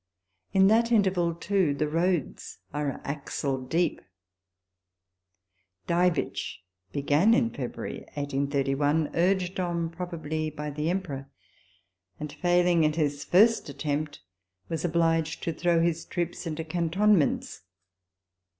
In that interval, too, the roads are axle deep. Diebitsch* began in February , urged on, probably, by the Emperor; and, failing in his first attempt, was obliged to throw his troops into cantonments.